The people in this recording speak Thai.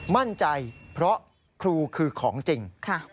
มั่นใจเพราะครูคือของจริง